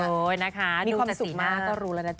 โอ้ยนะคะดูจะสีหน้าก็รู้แล้วนะจ๊ะ